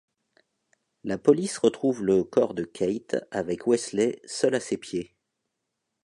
La police retrouve le corps de Kate avec Wesley seul à ses pieds.